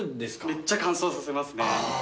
めっちゃ乾燥させますね。